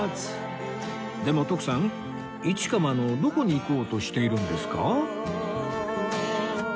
でも徳さん市川のどこに行こうとしているんですか？